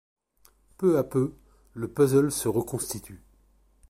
Peu à peu, le puzzle se reconstitue.